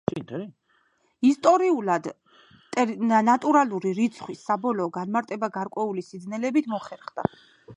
ისტორიულად, ნატურალური რიცხვის საბოლოო განმარტება გარკვეული სიძნელეებით მოხერხდა.